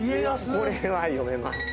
これは読めますよね。